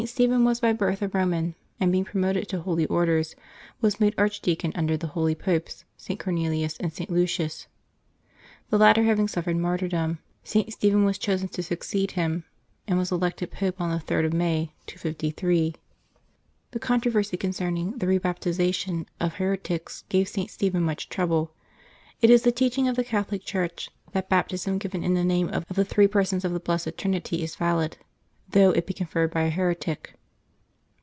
Stephen was by birth a Eoman, and, being pro moted to holy orders, was made archdeacon under the holy Popes St. Cornelius and St. Lucius. The latter having suffered martyrdom, St. Stephen was chosen to succeed him, and was elected Pope on the 3d of May, 253. The controversy concerning the rebaptization of heretics gave St. Stephen much trouble. It is the teaching of the Catholic Church, that Baptism given in the name of the three persons of the Blessed Trinity is valid, though it be conferred by a heretic.